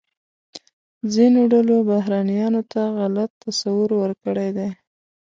ځینو ډلو بهرنیانو ته غلط تصور ورکړی دی.